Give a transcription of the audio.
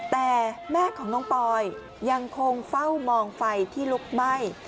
แต่แม่ของน้องปอยยังคงเฝ้ามองไฟที่ลุกไหม้